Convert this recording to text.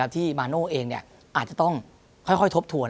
ที่มาโน่เองอาจจะต้องค่อยทบทวน